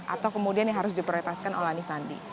atau kemudian yang harus diprioritaskan oleh anies sandi